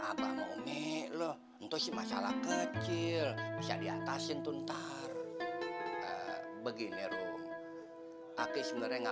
apa mau ngeloh untuk si masalah kecil bisa diatasin tuntar begini rom aki sebenarnya